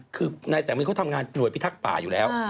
คือนายสามีเขาทำงานหน่วยพิทักษ์ป่าอยู่แล้ว